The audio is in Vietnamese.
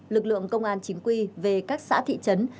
lực lượng công an chính quy về các xã thị trấn